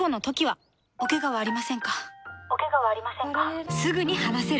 おケガはありませんか？